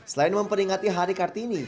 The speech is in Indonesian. selain memperingati hari kartini